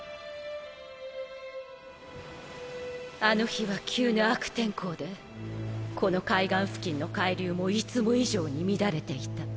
あの日は急な悪天候でこの海岸付近の海流もいつも以上に乱れていた。